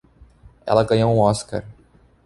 Ela ganhou um Oscar.